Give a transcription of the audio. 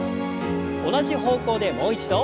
同じ方向でもう一度。